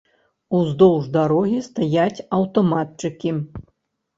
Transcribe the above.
Уздоўж дарогі стаяць аўтаматчыкі.